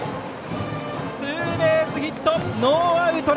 ツーベースヒット！